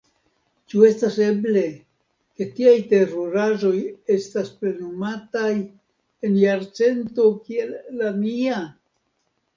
Ĉu estas eble, ke tiaj teruraĵoj estas plenumataj en jarcento kiel la nia!